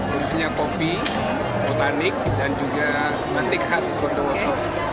khususnya kopi votanik dan juga batik khas bondowoso